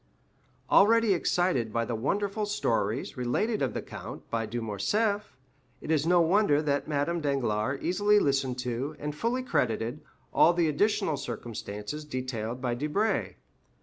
Already excited by the wonderful stories related of the count by de Morcerf, it is no wonder that Madame Danglars eagerly listened to, and fully credited, all the additional circumstances detailed by Debray.